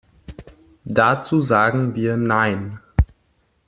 Dazu sagen wir nein.